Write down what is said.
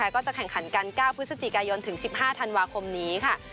ก็จะแข่งขันกัน๙พฤศจิกายนถึง๑๕ธันวาคมนี้ค่ะ